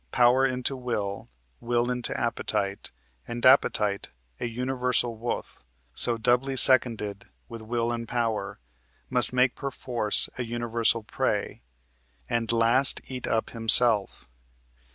Power into will, will into appetite; And appetite, a universal wolf, So doubly seconded with will and power, Must make perforce an universal prey, And last eat up himself.